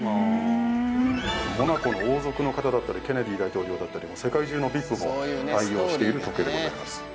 モナコの王族の方だったりケネディ大統領だったり世界中のＶＩＰも愛用している時計でございます